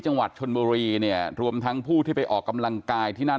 จังหวัดชลบุรีเนี่ยรวมทั้งผู้ที่ไปออกที่นั้น